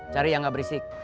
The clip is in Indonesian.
cari yang gak berisik